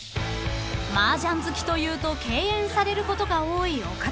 ［マージャン好きと言うと敬遠されることが多い岡田さん］